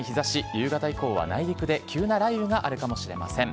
夕方以降は内陸で急な雷雨があるかもしれません。